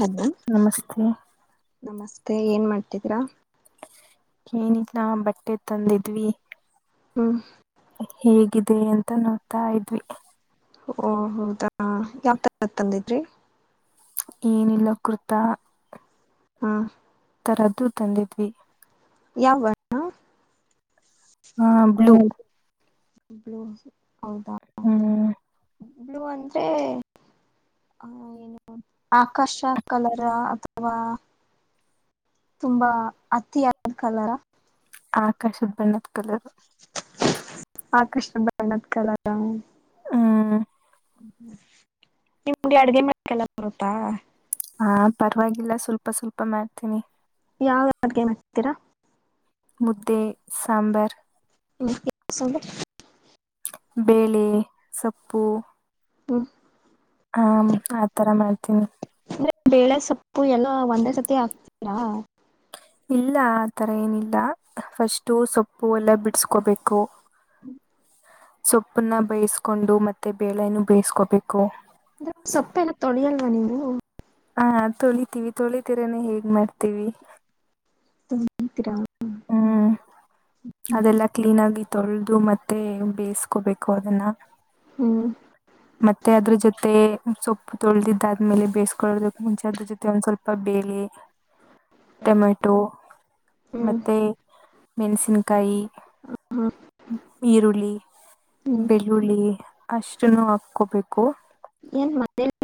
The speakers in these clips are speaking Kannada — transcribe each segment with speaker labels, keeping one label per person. Speaker 1: ಹಲೋ
Speaker 2: ನಮಸ್ತೆ
Speaker 1: ನಮಸ್ತೆ ಏನ್ ಮಾಡ್ತಿದೀರಾ
Speaker 2: ಏನಿಲ್ಲಿಲ್ಲ ಬಟ್ಟೆ ತಂದಿದ್ವಿ
Speaker 1: ಹ್ಮ್
Speaker 2: ಹೇಗಿದೆ ಅಂತ ನೋಡ್ತಾ ಇದ್ವಿ
Speaker 1: ಓ ಹೌದಾ ಯಾವ ತರ ತಂದಿದ್ರಿ
Speaker 2: ಏನಿಲ್ಲ ಕುೃತ
Speaker 1: ಹಾ
Speaker 2: ತರದ್ದು ತಂದಿದ್ವಿ
Speaker 1: ಯಾವ
Speaker 2: ಹಾ ಬ್ಲೂ
Speaker 1: ಬ್ಲೋಸ್
Speaker 2: ಹ್ಮ್
Speaker 1: ಬ್ಲೂ ಅಂದ್ರೆ ಆ ಏನು ಆಕಾಶ ಕಲರ್ ಅಥವಾ ತುಂಬಾ ಅತ್ತಿಿಯ ಕಲರ
Speaker 2: ಆಕಾಶದ ಬಣ್ಣದ ಕಲರು
Speaker 1: ಆಕರ್ಷ ಬಣತ್ ಕಲ
Speaker 2: ಹ್ಮ
Speaker 1: ನಿಮ ಅಡ್ಗೆ ಮಕಲ್ಲ ಬರುತ್ತಾ
Speaker 2: ಹಾ ಪರವಾಗಿಲ್ಲ ಸ್ವಲ್ಪ ಸ್ವಲ್ಪ ಮಾಡ್ತೀನಿ
Speaker 1: ಯಾವ ಅಡ್ಗೆ ಮಾಡ್ತೀರಾ
Speaker 2: ಮುದ್ದೆ ಸಾಂಬರ್
Speaker 1: ಹ್ಮ್
Speaker 2: ಸಪ್ಪು
Speaker 1: ಹ್ಮ
Speaker 2: ಹ ಆತರ ಮಾಡ್ತೀನಿ
Speaker 1: ಂದ್ರೆ ಬೇಳೆ ಸೊಪ್ಪು ಎಲ್ಲ ಒಂದೇ ಸತಿ ಹಕ್ತೀರಾ
Speaker 2: ಇಲ್ಲ ಆ ತರ ಏನಿಲ್ಲ ಫಸ್ಟು ಸೊಪ್ಪು ಎಲ್ಲ ಬಿಡ್ಸ್ಕೋಬೇಕು
Speaker 1: ಹ್ಮ [unintelligible]
Speaker 2: ಸೊಪ್ಪನ್ನ ಬೇಯ್ಸ್ಕೊಂಡು ಮತ್ತೆ ಬೇಳೆನು ಬೇಯಸ್ಕೋಬೇ
Speaker 1: ಅಂದ್ರೆ ಸೊಪ್ಪೆನು ತೊಳಿಯಲ್ವಾ ನೀವು,
Speaker 2: ಹಾ ತೊಳಿತೀವಿ ತೊಳತಿರನೆ ಹೇಗ್ ಮಾಡ್ತೀವಿ.
Speaker 1: [unintelligible]
Speaker 2: ಹ್ಮ್ ಅದೆಲ್ಲಾ ಕ್ಲೀನ್ ಆಗಿ ತೊಳೆದು ಮತ್ತೆ ಬೇಯಿಸ್ಕೋಬೇಕು ಅದನ್ನ
Speaker 1: ಹ್ಮ್
Speaker 2: ಮತ್ತೆ ಅದ್ರ ಜೊತೆ ಸೊಪ್ಪು ತೊಳ್ದಿದ್ದಾದ್ಮೇಲೆ ಬೇಯಿಸ್ಕೊಳ್ಳದಕ್ಕು ಮುಂಚೆ ಅದ್ರ ಜೊತೆ ಒಂದ್ ಸ್ವಲ್ಪ ಬೇಳೆ ಟೊಮೆಟೊ
Speaker 1: ಹ್ಮ್
Speaker 2: ಮತ್ತೆ ಮೆಣಸನ್ಕಾಯಿ ಈರುಳ್ಳಿ
Speaker 1: ಹ್ಮ್
Speaker 2: ಬೆಳ್ಳುಳ್ಳಿ ಅಷ್ಟನು ಅ ಕೋಬೇಕು.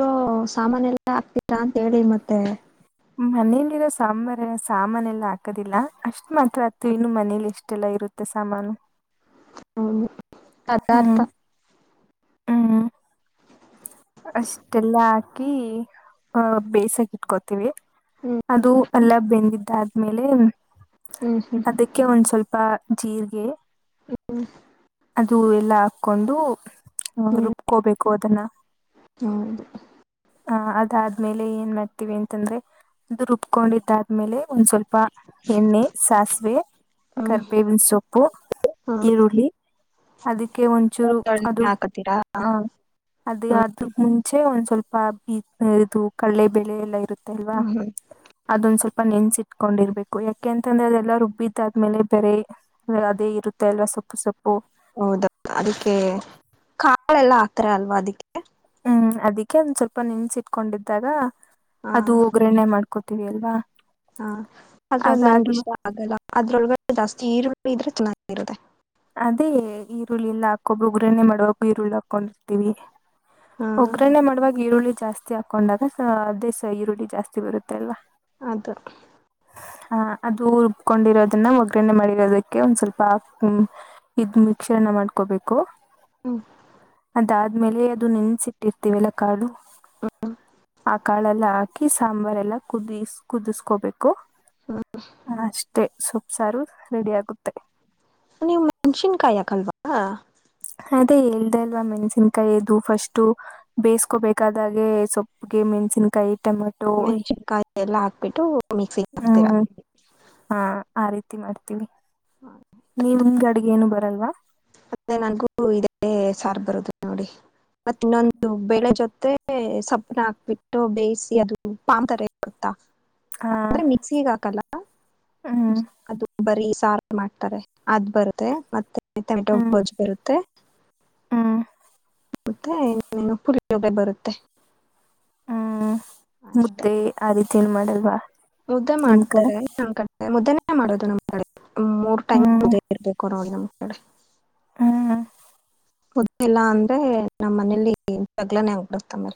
Speaker 1: ರೋ ಸಾಮಾನ ಎಲ್ಲ ಹಾಕ್ತೀರಾ ಅಂತ್ ಹೇಳಿ ಮತ್ತೆ.
Speaker 2: ಮನೇಲಿರೋ ಸಾಂಬಾರ ಸಾಮಾನ ಎಲ್ಲ ಹಾಕೋದಿಲ್ಲ ಅಷ್ಟ್ ಮಾತ್ರ ಆತ್ತು ಇನ್ನು ಮನೇಲಿ ಎಷ್ಟೆಲ್ಲಾ ಇರುತ್ತೆ ಸಾಮಾನು.
Speaker 1: ಹೌದು ಪದಾರ್ಥ
Speaker 2: ಹ್ಮ್ ಹ್ಮ್ ಅಷ್ಟೆಲ್ಲಾ ಹಾಕಿ ಅ ಬೇಯಿಸಕ್ ಇಟ್ಕೋತೀವಿ.
Speaker 1: ಹ್ಮ್
Speaker 2: ಅದು ಎಲ್ಲ ಬೆಂದಿದ್ ದಾದ್ಮೇಲೆ
Speaker 1: ಹ್ಮ್ ಹ್ಮ್
Speaker 2: ಅದಕ್ಕೆ ಒಂದ್ ಸ್ವಲ್ಪ ಜೀರ್ಗೆ
Speaker 1: ಹ್ಮ
Speaker 2: ಅದು ಎಲ್ಲ ಹಾಕ್ಕೊಂಡು ಹ
Speaker 1: ಹ್ಮ್
Speaker 2: ರುಬ್ಕೋಬೇಕು ಅದನ್ನ.
Speaker 1: ಹೌದು
Speaker 2: ಹ ಅದಾದ್ಮೇಲೆ ಏನ್ ಮಾಡ್ತೀವಿ ಅಂತಂದ್ರೆ ಅದು ರುಬ್ಕೊಂಡಿದ್ದಾದ್ಮೇಲೆ ಒಂದ್ ಸ್ವಲ್ಪ ಎಣ್ಣೆ ಸಾಸಿವೆ
Speaker 1: ಹ್ಮ್
Speaker 2: ಕರ್ಬೇವಿನ ಸೊಪ್ಪು
Speaker 1: ಹಾ
Speaker 2: ಈರುಳ್ಳಿ ಅದಕ್ಕೆ ಒಂಚೂರು
Speaker 1: ಒಗ್ಗರಣೆ
Speaker 2: ಅದು
Speaker 1: ಹಾಕತೀರಾ
Speaker 2: ಹ ಅದು ಅದಕ್ ಮುಂಚೆ ಒಂದ್ ಸ್ವಲ್ ಬೀ ಇದು ಕಳ್ಳೆ ಬೆಳೆ ಎಲ್ಲ ಇರು ತ್ತಲ್ವಾ
Speaker 1: ಹ್ಮ್
Speaker 2: ಅದೊಂದ್ ಸ್ವಲ್ಪ ನೆನ್ಸಿ ಕೊಂಡಿರ್ಬೇಕು ಯಾಕೆ ಅಂತಂದ್ರೆ ಅದೆಲ್ಲಾ ರುಬ್ಬಿದಾದ್ಮೇಲೆ ಬೇರೆ ಅದೇ ಇರುತ್ತೆ ಅಲ್ವಾ ಸೊ ಸೊ
Speaker 1: ಹೌದ ಅದಕ್ಕೆ ಕಾ ಳೆಲ್ಲ ಆಗ್ತರೆ ಅಲ್ವಾ ಅದಿಕ್ಕೆ
Speaker 2: ಹ್ಮ್ ಅದಿ ಕ್ಕೆ ಒಂದ್ ಸ್ವಲ್ಪ ನೆನ್ಸಿಟ್ಕೊಂಡಿದ್ದಾಗ ಅದು ಒಗ್ಗರಣ್ಣೆ ಮಾಡ್ ಹಕೋತೀವಿ ಅಲ್ವಾ
Speaker 1: ಹ ಆದದ್ರ ಅದು್ ನನ್ಗ
Speaker 2: ಅದಾದ್ಮ
Speaker 1: ಇಷ್ಟ ಆಗಲ್ಲ ಅದ್ರೊಗಡೆ ಜಾಸ್ತಿ ಇ ಇದ್ರೆ ಚೆನ್ನಾಗಿರುತ್ತದೆ
Speaker 2: ಅದೇ ಈ ಹುಳಿ ಇಲ್ಲ ಹಾಕೊಬ ಉಗ್ರನೇ ಮಾಡುವ ಈರುಳ್ಳಿ ಹಾಕೊಂಡಿರ್ತೀವಿ
Speaker 1: ಹಾ
Speaker 2: ಒಗ್ಗ್ರರಣೆ ಮಾಡುವಾಗ ಈರುಳ್ಳಿ ಜಾಸ್ತಿ ಹಾಕೊಂಡಾಗ ದೇಸ ಈರುಳ್ಳಿ ಜಾಸ್ತಿ ಬರುತ್ತೆಲ್ಲ
Speaker 1: ಅದು
Speaker 2: ಹ ಅದು ಉರುಬ್ಕೊಂಡಿರೋದನ್ನ ಒಗ್ಗರಣೆ ಮಾಡಿರೋದಕ್ಕೆ ಒಂದ್ ಸ್ವಲ್ಪ ಇದ್ ಮಿಶ್ರಣ ಮಾಡ್ಕೋಬೇಕು
Speaker 1: ಹ್ಮ
Speaker 2: ಅಾದ್ಮೇಲೆ ಅದು ನೆನ್ಸಿಟ್ಟಿರ್ತೀವಿ ಎಲ್ಲ ಕಾಳು ಆ ಕಾಳೆಲ್ಲ ಹಾಕಿ ಸಾಂಬಾರ್ಲ್ಲ ಕುದ ಕುದಿಸ್ಕೋಬೇಕು ಅಷ್ಟೇ ಸು ಸಾರು ರೆಡಿ ಆಗುತ್ತೆ
Speaker 1: ನೀವು್ ಮೆಣಸಿನ್ಕಾಯಿ ಹಾಕಲ್ವಾ
Speaker 2: ಅದೇ ಇಲ್ದೆ ಅಲ್ವಾ ಮೆಣ್ಸಿನಕಾಯಿದು ಫಸ್ಟು ಬೇಯಿಸಕೋಬೇಕಾದಾಗೆ ಸೊಪ್ಪಗೆ ಮೆಣಸನ್ಕಾಯಿ
Speaker 1: ಮೆನ್ಷ ಕ ಎಲ್ಲ ಬಿಟ್ಟು
Speaker 2: ಹ್ಮ್ ಹಾ ಆ ರೀತಿ ಮಾಡ್ತೀವಿ ನೀ ನಿಗೆ ಅಡಗೆ ಏನು ಬರು ಲ್ವಾ
Speaker 1: ಮತ್ತೆ ನನ್ಗೂ ಇದೇ ಸಾರ್ ಬರುದು ನೋಡಿ ಮತ್ತ ಇನ್ನೊಂದು ಬೆೇಳೆ ಜೊತೆ ಸಪ್ಪನ ಹಾಕ್ಬಿಟ್ಟು ಬೇಯಿಸಿ ಅದು ಪಾಾಮ ತರ ಬಡತ್ತಾ
Speaker 2: ಹಾ
Speaker 1: ಅ್ರೆ ಮಿಕ್ಸಿಗ ಹಾಕಲ್ಲ
Speaker 2: ಹ್ಮ್
Speaker 1: ಅದು ಬರ ಸಾರ್ ಮಾಡ್ತಾರೆ ಅದ್ ಬರುತ್ತೆ ಮತ್ತೆ ಟೊಮೆಟೊ ಬೋಜ್ ಬರುತ್ತೆ
Speaker 2: ಹ್ಮ
Speaker 1: ಮತ್ತೆನು ಪುರಿ ೊಗೆ ಬರುತ್ತೆ
Speaker 2: ಹ್ಮ್ ಮುದ್ದೆ ಆ ರೀತಿ ಏನ್ ಮಾಡಲ್ವಾ
Speaker 1: ಮುದ್ದ
Speaker 2: ನಿಮ್ ಕಡೆ
Speaker 1: ಮಾಡ್ತಾರೆ ಮುದ್ದ ಮಾಡೋದು ನಮ್ಮ ಕಡೆ ಮೂರ್ ಟೈಮ್
Speaker 2: ಹ್ಮ್
Speaker 1: ಉದ ಇರ್ಬೇಕು ನೋಡಿ ನಮ್ಗೆ ಹ
Speaker 2: ಹ್ಮ್
Speaker 1: ಮುೊದ್ದಿಲ್ಲ ಅಂದ್ರೆ ನಮ್ಮ್ ಮನೇಲಿ ತಗ್ಲಾನೇ ಆಗ್ಬಿರ್ತ ಮ್ರ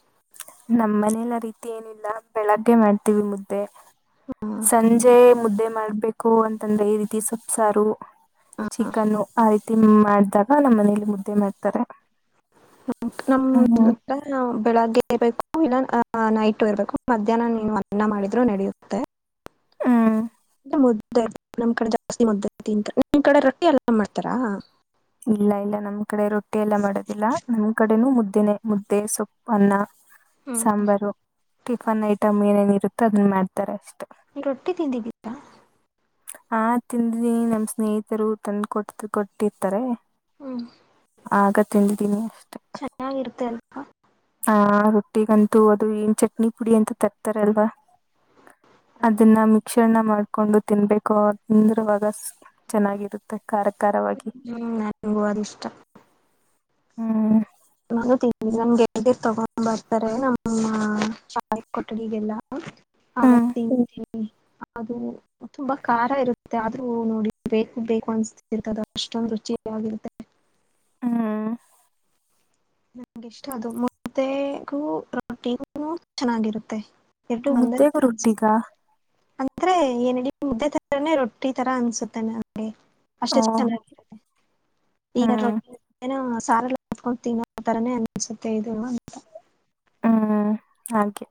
Speaker 2: ನಮ್ಮ್ ಮನಲ್ಲ ರೀತಿ ಏನಿಲ್ಲ ಬೆಳಗ್ಗೆ ಮಾಡ್ತೀವಿ ಮುದ್ದೆ ಸಂಜೆ ಮುದ್ದೆ ಮಾಡ್ಬೇಕು ೋ ಅಂತಂದ್ರೆ ಈ ರೀತಿ ಸೊಪ್ಸಾರು
Speaker 1: ಆ,
Speaker 2: ಚಿಕನ್ನು ಆ ರತಿ ತಿಮ್ ಮಾಡ್ದಾಗ ನಮ್ಮ್ ಮನೇಲಿ ಮುದ್ದೆ ಮಾಡ್ತಾರೆ ಹ್ಮ್
Speaker 1: ನಮ ಬೆಳಗ್ಗೆ ಬೇಕು ಇಲ್ಲ ನೈಟ್ು ಇರಬೇಕು ಮಧ್ಯಾಹ್ನ ನೀನು ಅನ್ನ ಮಾಡಿದ್ರೂ ನಡೆಯುತ್ತೆ
Speaker 2: ಹ್ಮ
Speaker 1: ಮುದಐ ನಮ್ ಕಡೆ ಜಾಸ್ತಿ ಮುದ್ದ ಐತಿ ನಿಮ್ ಕಡೆ ರಟ್ಟಿ ಎಲ್ಲ್ ಮಾಡ್ತಾರಾ
Speaker 2: ಇಲ್ಲ ಇಲ್ಲ ನಮ್ ಕಡೆ ರೊಟ್ಟಿ ಎಲ್ಲ ಮಾಡೋದಿಲ್ಲ ನಮ್ ಕಡೆನೂ ಮುದ್ದ ದಿನ ಮುದ್ದೆ ಸೊಪ್ಪನ್ನ
Speaker 1: ಹ್ಮ್
Speaker 2: ಸಾಂಬಾರು ಟಿಫನ್ ಐಟಮ್ ಏನೇನ ಇರುತ್ತೆ ದನ್ ಮಾಡ್ತಾರೆ ಅಷ್ಟೇ
Speaker 1: ರೊಟ್ಟಿ ತಿಂದಿದ್ದೀಿದ್ದ
Speaker 2: ಆ ತಿಂದಿನಿ ನಮ್ ಸ್ನೇಹಿತರು ತಂದ್ ಕೊಟ್ಟ ಕೊಟ್ಟಿ ಹತ್ತಾರೆ
Speaker 1: ಹ್ಮ್
Speaker 2: ಆಗ ತಿಿಂದಿದ್ದೀನಿ ಅಷ್ಟೇ
Speaker 1: ಹಾ
Speaker 2: ಆಹ ರೊಟ್ಟಿಗಂತೂ ಅದು ಏನ್ ಚಟ್ನಿ ಪುಡಿ ಅಂತ ತರ್ತಾರಲ್ವಾ ಅದನ್ನ ಮಿಕ್ಸರ್ನ ಮಾಡ್ಕೊಂಡು ತಿನ್ಬೇಕು ಅಂದ್ರವಾಗ ಚೆನ್ನಾಗಿರುತ್ತೆ ಖಾರ ಖಾರವಾಗಿ
Speaker 1: ಹ್ಮ ನನಗದ ಇಷ್ಟ
Speaker 2: ಹಾ
Speaker 1: ನಾನು ತಿ ನನ್ ಗೆಲ್್ದಿರ್ ತಗೊಂಡ್ ಬರ್ತಾರೆ ನಮ್ಮ ಶಾಲೆ ಕೊಠಡಿಗೆಲ್ಲ
Speaker 2: ಹ್ಮ್
Speaker 1: ಆರಾಮ ಅದು ತುಂಬಾ ಖಾರ ಇರುತ್ತೆ ಆದ್ರೂ ನೋಡಿ ಬೇಕು ಬೇಕು ಅನ್ಸ್ತಿರ್ತದ ಅಷ್ಟೊಂದು ರುಚಿ ಆಗರುತ್ತೆ ಹ್ಮ
Speaker 2: ಹ್ಮ್
Speaker 1: ನಂಗಿಷ್ಟ ಅದು ಮುದ್ದೆಗೂ ರೋಟೀ ಚೆನ್ನಾಗಿರುತ್ತೆ ಎರಡು
Speaker 2: ಮುದ್ದೆಗ ರೊಟ್ಟಿಗ
Speaker 1: ಅೆ ಏನಡ ಮುದ್ದೆ ತರಾನೇ ರೊಟ್ಟಿ ತರ ಅನ್ಸುತ್ತನೆೆ ನಂಗೆ ಅಷ್ಟೆ
Speaker 2: ಓ
Speaker 1: ಚೆನ್ನಾಗಿರುತ್ತೆ
Speaker 2: ಹ್ಮ್
Speaker 1: ಈಗ ಸಾರಕೊತೀನ ಆ ಥರನೇ ಅನ್ನಿಸುತ್ತೆ ಇದು ಅಂತ
Speaker 2: ಹ್ಮ್ ಹಾಗೆ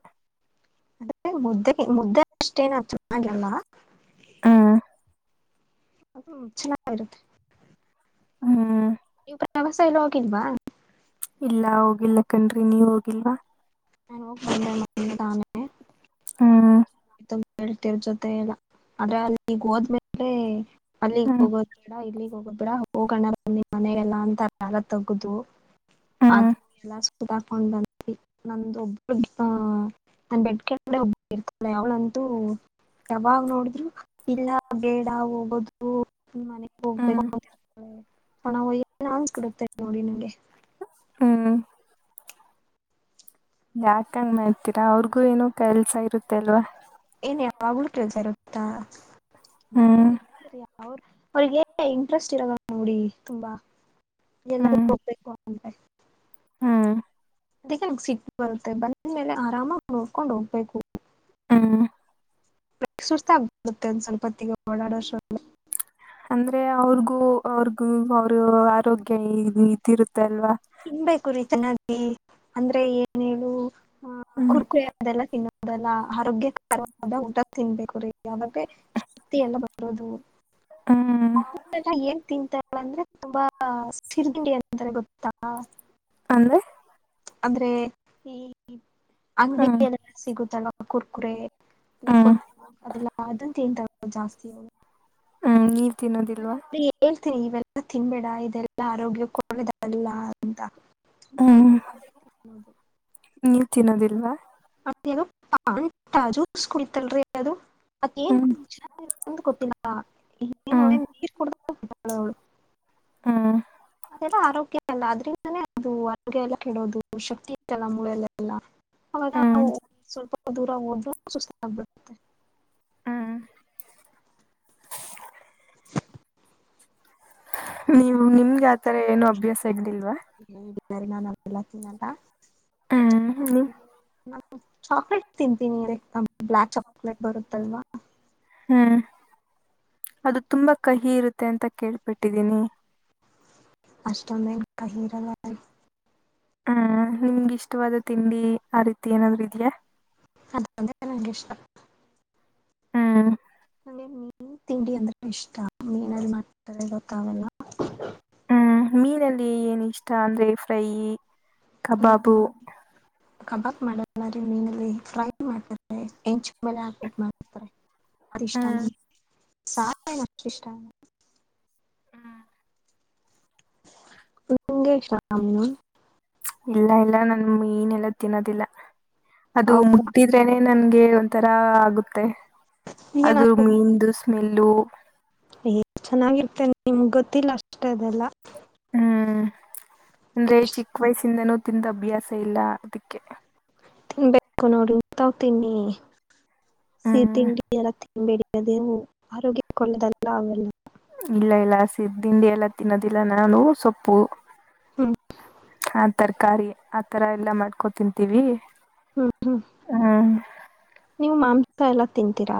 Speaker 1: ಅೆ ಮುದ್ದೆ ಮುದ್ದೆ ಅಷ್ಟೇನ ಚೆನ್ನಾಗಿಲ್ಲ
Speaker 2: ಹ್ಮ
Speaker 1: ಅ ಚೆನ್ನಾಗಿಾಗಿರುತ್ತೆ
Speaker 2: ಹಾ
Speaker 1: ಇವ ವ್ಯವಾಸ ಎಲ್ಲ ಹೋಗಿಲ್ವಾ
Speaker 2: ಇಲ್ಲ ಹೋಗಿಿಲ್ಲ ಕಣ್ರಿ ನೀವ ಹೋಗಿಲ್ವಾ
Speaker 1: ನನ್ ಹೋಗ್ ದ ತಾನೆ.
Speaker 2: ಹ್ಮ.
Speaker 1: ಹೇಳ್ತಿರ್ ಜೊತೆ ಎಲ್ಲ ಆದ್ರೆ ಅಲ್ಲಿಗ್ ಹೋದ್ಮೇಲೆ. ಅಲ್ಲಿಗೆ
Speaker 2: ಹ್ಮ್
Speaker 1: ಹೋಗೋದು ಬೇಡ ಇಲ್ಲಿ. ಹೋಗ ಬಿಡ ಹೋಗಣ ಬಂದಿ ಮನೆಗೆಲ್ಲ ಅಂತ ಎಲ್ಲ ತಗುದು. ಆದ
Speaker 2: ಹ್ಮ್
Speaker 1: [unintelligible] [unintelligible] ಬಂದ್ವಿ ನ್ದ ಒಬ್ಬರು ನ ಬೆಟ್ಟ ಕೆಳಗಡೆ ಒಬ್ ಇರ್ತಲ್ಲ ಯಾವಳಂತೂ. ಯಾವಾಗ ನೋಡಿದ್ರು ಇಲ್ಲ ಬೇಡ ಹೋಗೋದು ಮನೆಗ್
Speaker 2: ಹ್ಮ್
Speaker 1: ಹೋಗ್ಬೇಕಣಯ್ಯಲ್ಲ ಅನ್ಸ್ಬಿಡುತ್ತೆ ನೋಡಿ ನಂಗೆ
Speaker 2: ಹ್ಮ್ ಯಾಕಂಗ ಮಾಡ್ತೀರಾ ಅವ್ರಿಗೂ ಏನ ಕೆಲ್ಸ ಇರುತ್ತೆ ಅಲ್ವಾ
Speaker 1: ಏನ ಯಾಗ್ಳ ಕೇಳ್ತಾರುತ್ತಾ
Speaker 2: ಹ್ಮ್
Speaker 1: ಅವರು ಅವ್ರಿಗೆ ಇಂಟ್ರೆಸ್ಟ್ ಇರದ ನೋಡಿ ತುಂಬಾ ಎಲ್ಲ
Speaker 2: ಹ್ಮ್
Speaker 1: ಹೋಗ್ಬೇಕು ಅಂತೆ
Speaker 2: ಹ್ಮ.
Speaker 1: ಅದಕ್ಕೆ ನನ್ಗ್ ಸಿಟ್ಟ ಬರುತ್ತೆ ಬಂದ್ಮೇಲೆ ಆರಾಮಾಗಿ ನೋಡ್ಕೊಂಡ್ ಹೋಗ್ಬೇಕು.
Speaker 2: ಹಾ.
Speaker 1: ಸುಸ್ತಾಗಬಿಡತ್ತೆ ಒಂದ ಸ್ವಲ್ಪ ಹೊತ್ತಿಗೆ ಓಡಾಡ ವರ್ಷ.
Speaker 2: ಅಂದ್ರೆ ಅವ್ರಗೂ ಅವ್ರಗೂ ಅವರು ಆರೋಗ್ಯ ಇ ಇದಿರುತ್ತೆ. ಅಲ್ವಾ
Speaker 1: ತಿನ್ಬೇಕುರಿೀತ ನ. ಅಂದ್ರೆ ಏನ್ ಹೇಳು. ಹ
Speaker 2: ಹ್ಮ್
Speaker 1: ಕುರ್ಕುರೆ ಅದೆಲ್ಲ ತಿನ್ನುದಲ್ಲ. ಆರೋಗ್ಯಕರವಾದ ಊಟ ತಿನ್ಬೇಕು ರೀ. ಯಾವೆ ಶಕ್ತಿ ಎಲ್ಲ ಬರೋದು
Speaker 2: ಹ್ಮ್
Speaker 1: ಏನ್ ತಿಂತಾರೆ. ಂದ್ರೆ ತುಂಬಾ ಸಿರ್ಗಿಂಡಿ ಅಂತಾರೆ ಗೊತ್ತ. ಹಾ.
Speaker 2: ಅಂದ್ರೆ.
Speaker 1: ಅಂದ್ರೆ ಈ. ಅಂಗಡಿ
Speaker 2: ಹ್ಮ್
Speaker 1: ಎಲ್ಲ ಸಿಗುತ್ತಲ್ಲ. ಕುರ್ಕುರೆ.
Speaker 2: ಹ್ಮ್
Speaker 1: ರಿಪೋಟ್ ಅಲ್ಲ ಅದ ತ ತ. ಜಾಸ್ತಿ ಹೋಗ.
Speaker 2: ಹ್ಮ್ ನೀ.
Speaker 1: ನಾನ ಹೇಳ್ತೀನಿ ಇವೆಲ್ಲ ಲ್ಲ ತಿನ್ಬೇಡ ಇದೆಲ್ಲಾ ಆರೋಗ್ಯ ಕೊಡಿದಲ್ಲ ಅಂತ ಸಿೋದು
Speaker 2: ನೀವು ತಿನ್ನೋದಿಲ್ವಾ
Speaker 1: ಪಂಟಾಜೂಸ್ ಕುಳಿತಲ್ರಿ ಅದು ಮತ್ತೇನ್
Speaker 2: ಹ್ಮ್
Speaker 1: [unintelligible] ಂತ ಗೊತ್ತಿಲ್ಲ ನೀಡ
Speaker 2: ಹ್ಮ್
Speaker 1: ಅವಳು [unintelligible] [inaudible]
Speaker 2: ಹ್ಮ್
Speaker 1: ಅದೆಲ್ಲ ಆರೋಗ್ಯ ಅಲ್ಲ ಆದ್ರೆ ಅದು ಅಡುಗೆ ಎಲ್ಲ ಕೆಡೋದು ಶಕ್ತಿ ಇತ್ತಲ್ಲ ಮೂಳೆಲ್ಲ ಎಲ್ಲ ಹ
Speaker 2: ಹ್ಮ್
Speaker 1: ಸ್ವಲ್ಪ ಅಧೂರಾ ಹೋದದು ಸು ಬ
Speaker 2: ಹ್ಮ್ [inaudible] ನೀವು ನಿಮ್ಗೆ ಆತರ ಏನು ಅಭ್ಯಾಸ ಆಗಲಿಿಲ್ವಾ
Speaker 1: ನಾನ ಎ ತಿನ್ನಲ್ಲ
Speaker 2: ಹ್ಮ್ ನಿಮ್
Speaker 1: [inaudible] ಚಾಕ್ಲೇಟ್ ತಿಂತೀನಿ ಬ್ಲ್ಯಾಕ್ ಚಾಕ್ಲೇಟ್ ಬರುತ್ತಲ್ವಾ
Speaker 2: ಹ್ಮ್ ಅದು ತುಂಬಾ ಕಹಿ ಇರುತ್ತೆ ಅಂತ ಕೇಳ್ಬಿಟ್ಟಿದ್ದೀನಿ
Speaker 1: ಅಷ್ಟದೇನು ಕಹೀರಲಾಯ
Speaker 2: ಹ್ಮ್ ನಿಮ್ಗೆ ಇಷ್ಟವಾದ ತಿಂಡಿ ಆ ರೀತಿ ಏನಾದ್ೂ ಇದ್ಯಾಾ
Speaker 1: ಅದ [unintelligible] ನಂಗೆ ಇಷ್ಟ
Speaker 2: ಹ್ಮ
Speaker 1: ಹಗೆ ಮೀನೀ ತಿಂಡಿ ಅಂದ್ರೆ ಇಷ್ಟ ಮನಲ್ಲಿ ಮಾತಾರೆ ಗೊತ್ತಾವಲ್ಲ
Speaker 2: ಹ್ಮ್ ಮೀನಲ್ಲಿ ಏನ್ ಇಷ್ಟ ಅಂದ್ರೆ ಫ್ರೈ ಕಬಾಬು
Speaker 1: ಕಬಾಕ್ ಮಾಡ ಮೀನಲ್ಲಿ ಫ್ರೈ ಮಾಡ್ತಾರೆ ಎಂಚ ಮಲೆ ಹಾಕ್ಿಟ್ ಮಾಡತಾರೆ ಹಷ್ಟಾನ
Speaker 2: ಹ್ಮ್
Speaker 1: ಸಷ್ಟ [unintelligible] [inaudible] ನಿಂಗ ಶಾಮು
Speaker 2: ಇಲ್ಲ ಇಲ್ಲ ನನ್ ಮೀನ್ಲ್ಲ ತಿನ್ನೋದಿಲ್ಲ ಅದು
Speaker 1: ಹೌದು,
Speaker 2: ಮುಟ್ಟಿದ್ರೇನೆ ನನ್ ಗೆ ಒಂಥರ ಆಗುತ್ತೆ ಅದು ಮೀಂದು ಸ್ಮೆಲ್ಲು [inaudible]
Speaker 1: ನಿಮ್ ಗೊತ್ತಿಲ್ಲ ಅಷ್ಟೇ ಅದೆಲ್ಲ
Speaker 2: ಹ್ಮ್ ಅಂದ್ರೆ ಚಿಕ್ಕ ವಯಸ್ಸಿಂದನೂ ತಿಂದ ಅಭ್ಯಾಸ ಇಲ್ಲ ಅದಕ್ಕೆ
Speaker 1: ತಿನ್ಬೇಕು ನೋಡಿ ಇಂಥ ತಿನ್ನಿ
Speaker 2: ಹ್ಮ್
Speaker 1: ಸೀಟಂಗಗೆಲ್ಲತ್ತ ೇಡದೆವು ಆರೋಗ್ಯ ಕೊಳ್ಳದಲ್ಲ ಅವೆಲ್ಲ
Speaker 2: ಇಲ್ಲ ಇಲ್ಲ ಹಸಿ ದಂಡಿ ಎಲ್ಲ ತಿನ್ನೋದಿಲ್ಲ ನಾನು ಸೊಪ್ಪು
Speaker 1: ಹ್ಮ್
Speaker 2: [inaudible] ಹಾ ತರ್ಕ ತರಕಾರಿ ಆ ಥರ ಎಲ್ಲ ಮಾಡ್ಕೊ ತಿಂತೀವಿ
Speaker 1: ಹ್ಮ್ ಹ್ಮ್
Speaker 2: ಹ್ಮ್
Speaker 1: ನೀವು ಮಾಂಸ ಸ ಎಲ್ಲ ತಿಿಂದಂತೀರ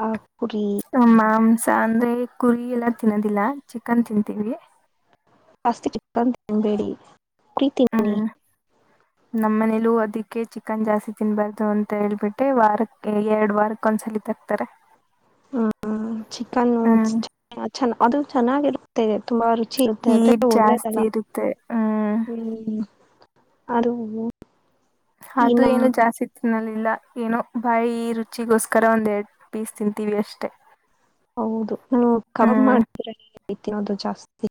Speaker 2: ಮಾಂಸ ಅಂದ್ರೆ ಕುರಿ ಎಲ್ಲ ತಿನ್ನೋದಿಲ್ಲ ಚಿಕನ್ ತಿಂತೀವಿ.
Speaker 1: ಜಾಸ್ತಿ ಚಕ್ಕನ್ ತಿನ್ಬೇಡಿ [unintelligible]
Speaker 2: ನಮ್ಮನೆೇಲೂ ಅದಕ್ಕೆ ಚಿಕನ್ ಜಾಸ್ತಿ ತಿನ್ಬಾರ್ದು ಅಂತ ಹೇಳ್ಬಿಟ್ಟೆ ವಾರಕ್ಕೆ ಎರಡು ವಾರಕ್ಕೊಂದ್ಸಲ ತರ್ಥರೆ.
Speaker 1: ಹ್ಮ್. ಚಿಕನ್ [unintelligible] ಅದು ಚೆನ್ನಾಗಿರುತ್ತೆದೆ ತುಂಬಾ ರುಚಿ. ಇರುತ್ತೆ ಆದ್ರೆ
Speaker 2: ಈಡ್ ಜಾಸ್ತಿ
Speaker 1: ಒಳ್ಳೇದಲ್ಲ
Speaker 2: ಇರುತ್ತೆ ಹ್ಮ್.
Speaker 1: ಅ.
Speaker 2: ಅದು ಏನು ಜಾಸ್ತಿ. ಲ್ಲಿಲ್ಲ ಏನೋ ಬಾಯಿ ಈ ರುಚಿಗೋಸ್ಕರ ಒಂದ್ ಎರಡು ಪೀಸ್ ತಿಂತೀವಿ ಅಷ್ಟೇ.
Speaker 1: ಹೌದು ನೀ ಕಬಬ್ ಮಾಡ್ತೀರ. ವತ್ತಂದು ಜಾಸ್ತಿ.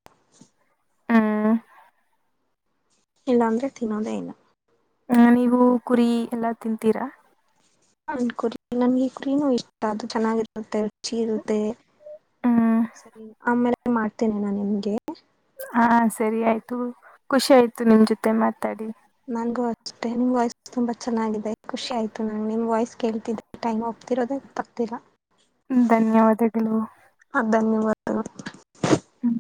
Speaker 2: ಹ್ಮ.
Speaker 1: ಇಲ್ಲಾ ಅಂದ್ರೆ ತಿನ್ನೋದೇ ಇಲ್ಲ.
Speaker 2: ಹ್ಮ ನೀವು ಕುರಿ ಎಲ್ಲಾ ತಿಂತೀರಾ.
Speaker 1: ನ ಕುರಿ ನನ್ಗೆ ಈ ಕುರಿನು ಇಷ್ಟ ಅದು ಚೆನ್ನಾಗಿರುತ್ತೆ ರುಚಿ ಇರುತ್ತೆ
Speaker 2: ಹ್ಮ್
Speaker 1: ಸರಿ ಆಮೇಲೆ ಮಾಡ್ತೇನೆ ನಾ ನಿಮಗೆ.
Speaker 2: ಹಾ ಸರಿ ಆಯ್ತು ಖುಷಿ ಆಯ್ತು ನಿನ್ ಜೊತೆ ಮಾತಾಡಿ.
Speaker 1: ನನ್ಗೂ ಅಷ್ಟೇ ನಿಮ್ ವಾಯ್ಸ್ ತುಂಬಾ ಚೆನ್ನಾಗಿದೆ ಖುಷಿ ಆಯ್ತು ನಂಗ ನಿಮ್ ವಾಯ್ಸ್ ಕೇಳ್ತಿದ್ದ ಟೈಮ್ ಒಗ್ತಿರೋಧೆ ಗೋತಗ್ತಿಲ್ಲಾ.
Speaker 2: ಧನ್ಯವಾದಗಳು.
Speaker 1: ಹ.
Speaker 2: ಹ್ಮ್.